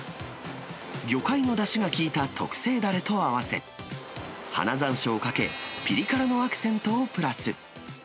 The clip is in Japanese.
魚介のだしが効いた特製だれと合わせ、花ざんしょうをかけ、ぴり辛のアクセントをプラス。